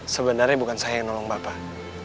sebenarnya bukan saya yang nolong bapak